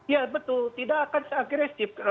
ya betul tidak akan seagresif